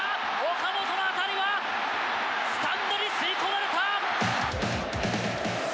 岡本の当たりは、スタンドに吸い込まれた。